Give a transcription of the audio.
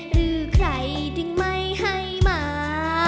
หรือใครจึงไม่ให้มา